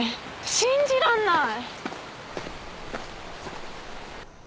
信じらんない！